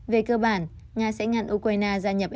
về cơ bản nga sẽ ngăn ukraine gia nhập eu hoặc nato trong tương lai